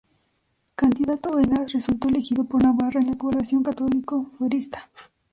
Candidato en las resultó elegido por Navarra en la coalición católico-fuerista.